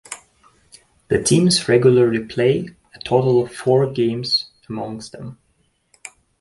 The teams regularly play a total of four games amongs them.